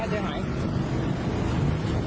อีฮู้